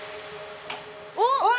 おっ！